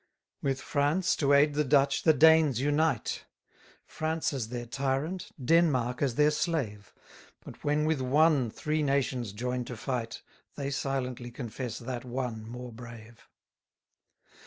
42 With France, to aid the Dutch, the Danes unite: France as their tyrant, Denmark as their slave, But when with one three nations join to fight, They silently confess that one more brave.